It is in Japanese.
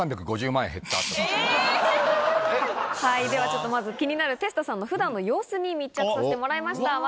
ではちょっと気になるテスタさんのふだんの様子に密着させてもらいました。